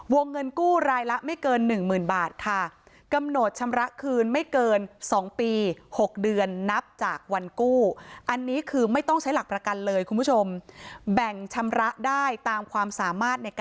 วงเงินกู้รายละไม่เกินหนึ่งหมื่นบาทค่ะกำหนดชำระคืนไม่เกินสองปี